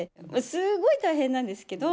すごい大変なんですけど。